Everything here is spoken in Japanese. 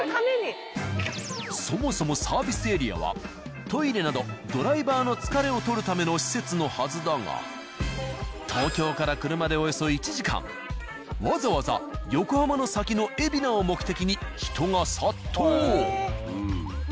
そもそもサービスエリアはトイレなどドライバーの疲れを取るための施設のはずだが東京から車でおよそ１時間わざわざ横浜の先の海老名を目的に人が殺到！